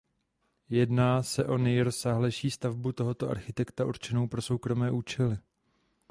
Jedná se o nejrozsáhlejší stavbu tohoto architekta určenou pro soukromé účely.